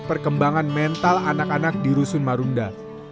perkembangan mental anak anak di rusun marunda